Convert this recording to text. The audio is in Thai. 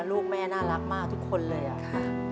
ลูกแม่น่ารักมากทุกคนเลยอะค่ะ